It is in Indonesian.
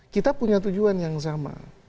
kita punya tujuan yang sama